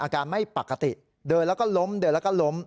อาการไม่ปกติเดินแล้วก็ล้มเดินแล้วก็ล้ม